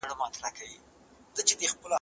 زده کوونکي څنګه د ستونزو حل لاري لټوي؟